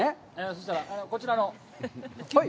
そうしたら、こちらの。